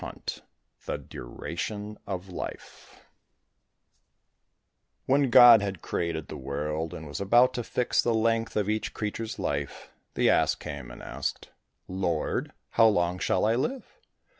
176 The Duration of Life When God had created the world and was about to fix the length of each creature's life, the ass came and asked, "Lord, how long shall I live?"